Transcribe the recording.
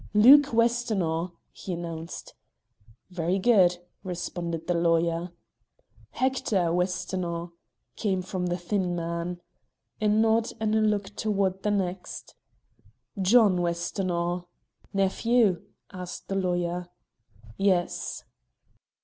"Luke Westonhaugh," he announced. "Very good!" responded the lawyer. "Hector Westonhaugh," came from the thin man. A nod and a look toward the next. "John Westonhaugh." "Nephew?" asked the lawyer. "Yes."